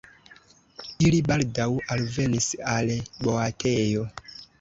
Ili baldaŭ alvenis al boatejo.